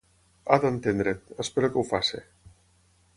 Ha d'entendre't. Espero que ho faci.